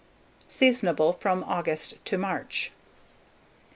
Seasonable from August to March.